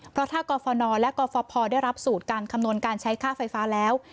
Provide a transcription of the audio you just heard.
เพราะถ้ากรฟนและกรฟพได้รับสูตรการคำนวณการใช้ค่าไฟฟ้าแล้ว